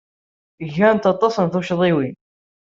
Gant aṭas n tuccḍiwin.